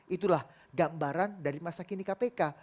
itulah gambaran dari masa kini kpk